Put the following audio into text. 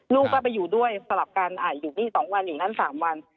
ลูกก็ไปอยู่ด้วยสลับกันอยู่นี่๒วันอยู่นั้น๓วัน